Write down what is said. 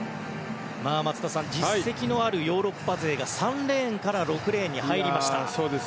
松田さん、実績あるヨーロッパ勢が３レーンから６レーンに入りました。